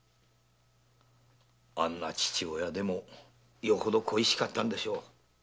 あんな父親でもよほど恋しかったんでしょう。